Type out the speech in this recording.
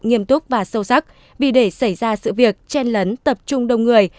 nghiêm túc và sâu sắc vì để xảy ra sự việc chen lấn tập trung đông người